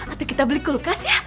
atau kita beli kulkas ya